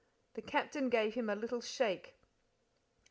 The Captain gave him a little shake.